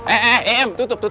eh eh eh tutup